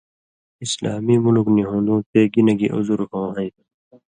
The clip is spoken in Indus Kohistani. اسلامی مُلک نی ہُون٘دُوں تے گی نہ گی عُذُر ہو ہَیں تُھو۔